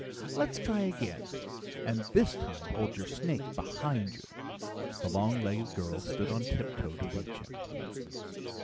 "Let's try again. And this time hold your snake behind you." The long legged girl stood on tiptoe to reach him.